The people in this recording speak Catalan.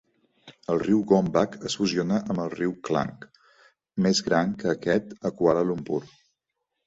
El riu Gombak es fusiona amb el riu Klang, més gran que aquest, a Kuala Lumpur.